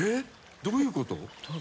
どういうこと？